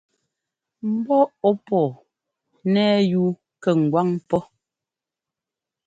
Mbɔ́ ɔ́ pɔɔ nɛ́ yú kɛ ŋgwáŋ pɔ́.